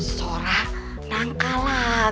seorang nangka lah